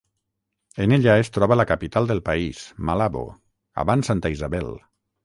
En ella es troba la capital del país, Malabo abans Santa Isabel.